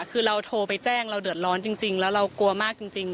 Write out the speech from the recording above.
คือเราโทรไปแจ้งเราเดือดร้อนจริงแล้วเรากลัวมากจริง